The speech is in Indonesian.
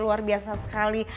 luar biasa sekali